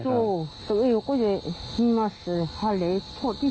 ก็สร้างแสนไว้แล้วก็จึงรองนะคะทำตำลวางตัวเองไม่หลงไม่ได้ครับ